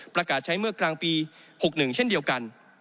ประกาศใช้เมื่อกลางปี๖๑เช่นเดียวกัน